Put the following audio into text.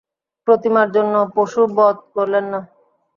প্রতিমার জন্য পশু বধ করলেন না।